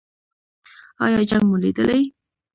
ایا جنګ مو لیدلی؟